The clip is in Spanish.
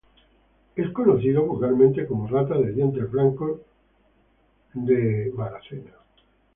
Es conocido vulgarmente como Rata de dientes blancos de Bower.